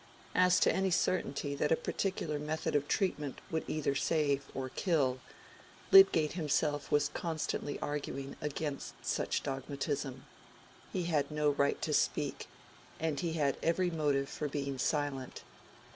As to any certainty that a particular method of treatment would either save or kill, Lydgate himself was constantly arguing against such dogmatism; he had no right to speak, and he had every motive for being silent.